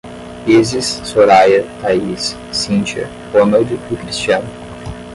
Isis, Soraia, Thaís, Cíntia, Ronald e Cristiane